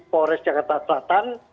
polres jakarta selatan